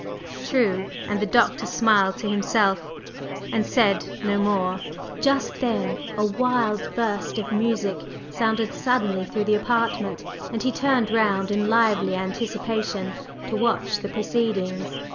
"True!" and the Doctor smiled to himself, and said no more. Just then a wild burst of music sounded suddenly through the apartment, and he turned round in lively anticipation to watch the proceedings.